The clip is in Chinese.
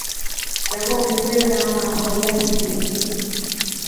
然后凭借这两个港口建立前进基地。